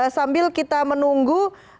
sambil kita menunggu